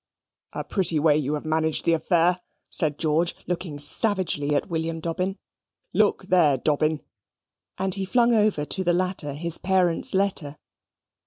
"A pretty way you have managed the affair," said George, looking savagely at William Dobbin. "Look there, Dobbin," and he flung over to the latter his parent's letter.